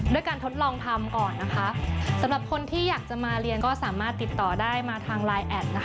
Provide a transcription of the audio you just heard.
ด้วยการทดลองทำก่อนนะคะสำหรับคนที่อยากจะมาเรียนก็สามารถติดต่อได้มาทางไลน์แอดนะคะ